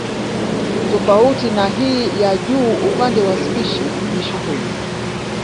Tofauti na hii ya juu upande wa spishi ni shughuli